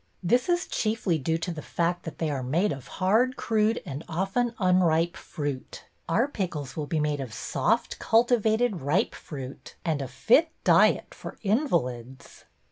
^ This is chiefly due to the fact that they are made of hard crude and of ten unr ipe f ruit.^ Our pickles will be made of soft, cultivated, ripe fruit and a fit diet for invalids.